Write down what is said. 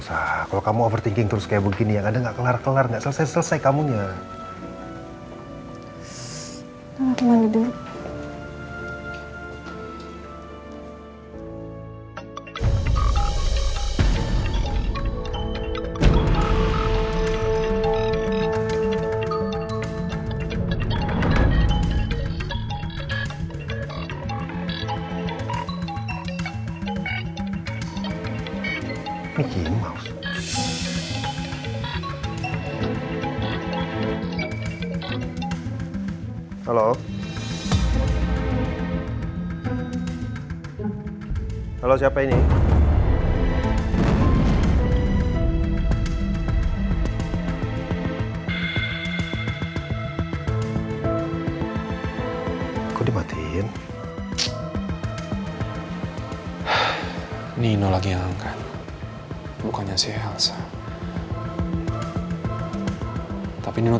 aku masih mau sama keluarga aku dulu